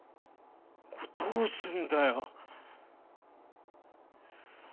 これどうすんだよ。